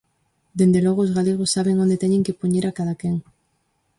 Dende logo, os galegos saben onde teñen que poñer a cadaquén.